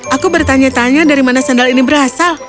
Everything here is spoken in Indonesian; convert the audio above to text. aku bertanya tanya dari mana sandal ini berasal